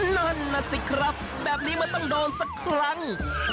นั่นน่ะสิครับแบบนี้มันต้องโดนสักครั้ง